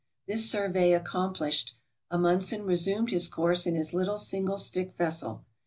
This survey accomplished, Amundsen resumed his course in his little single stick vessel.